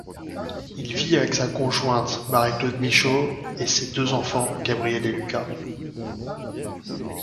Il vit avec sa conjointe, Marie-Claude Michaud, et ses deux enfants Gabriel et Lukas.